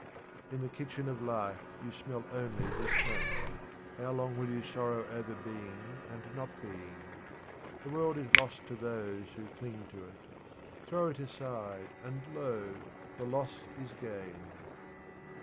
In the kitchen of life you smell only the smoke. How long will you sorrow over being and not being ? This world is loss to those who cling to it. Throw it aside, and lo ! the loss is gain.